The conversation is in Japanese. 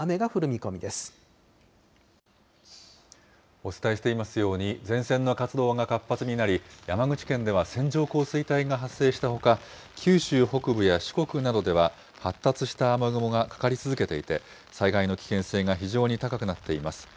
お伝えしていますように、前線の活動が活発になり、山口県では線状降水帯が発生したほか、九州北部や四国などでは、発達した雨雲がかかり続けていて、災害の危険性が非常に高くなっています。